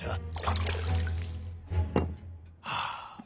はあ。